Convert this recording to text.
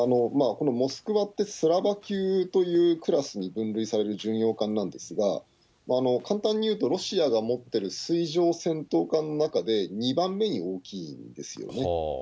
このモスクワって、スラバ級というクラスに分類される巡洋艦なんですが、簡単にいうと、ロシアが持ってる水上戦闘艦の中で、２番目に大きいんですよね。